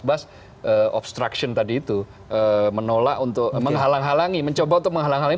bas obstruction tadi itu menolak untuk menghalang halangi mencoba untuk menghalang halangi